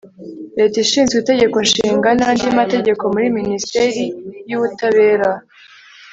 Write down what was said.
leta ishinzwe itegeko nshinga n andi mategeko muri minisiteri y ubutabera